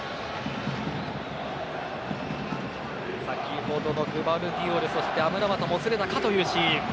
先ほどのグヴァルディオルそしてアムラバトも触れたかというシーン。